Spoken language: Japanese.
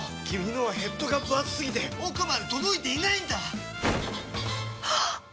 君のはヘッドがぶ厚すぎて奥まで届いていないんだっ！